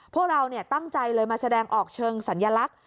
พวกเราตั้งใจเลยมาแสดงออกเชิงสัญลักษณ์